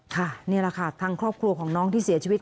นี่แหละค่ะทางครอบครัวของน้องที่เสียชีวิต